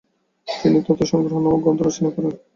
তিনি তত্ত্বসংগ্রহ নামক গ্রন্থ রচনা করেন।